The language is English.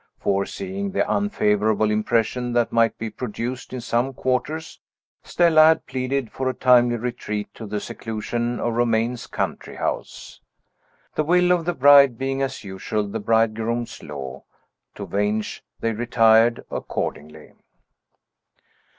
Foreseeing the unfavorable impression that might be produced in some quarters, Stella had pleaded for a timely retreat to the seclusion of Romayne's country house. The will of the bride being, as usual, the bridegroom's law, to Vange they retired accordingly.